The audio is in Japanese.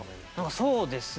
そうですね